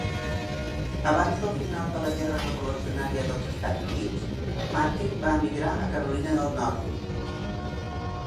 Abans del final de la Guerra Revolucionària dels Estats Units, Martin va emigrar a Carolina del Nord.